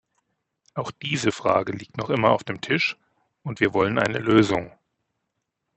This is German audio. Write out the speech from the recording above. Auch diese Frage liegt noch immer auf dem Tisch, und wir wollen eine Lösung.